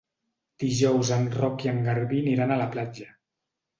Dijous en Roc i en Garbí aniran a la platja.